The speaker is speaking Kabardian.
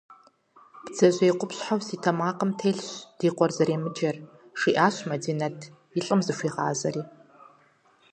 Бдзэжьей къупщхьэу си тэмакъым телъщ ди къуэр зэремыджэр, – жиӀащ Мадинэт, и лӀым зыхуигъазэри.